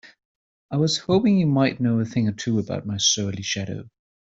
I was hoping you might know a thing or two about my surly shadow?